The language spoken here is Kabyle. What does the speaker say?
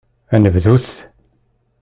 Ad nebdut!